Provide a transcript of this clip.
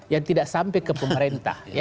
yang tidak sampai ke pemerintah